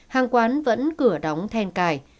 hàng quán vẫn cửa đóng then cài